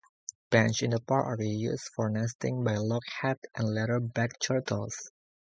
Beaches in the park are used for nesting by loggerhead and leatherback turtles.